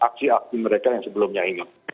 aksi aksi mereka yang sebelumnya ini